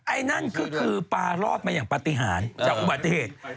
ไอ้นั่นก็คือปลารอดมาอย่างปฏิหารจากอุบัติเหตุ